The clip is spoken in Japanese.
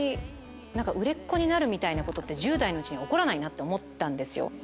売れっ子になるみたいなことって１０代に起こらないって思った。